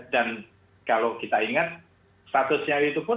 dan kalau kita ingat statusnya itu pun